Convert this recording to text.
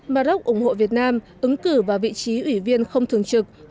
mà rốc ủng hộ việt nam ứng cử vào vị trí ủy viên không thường trực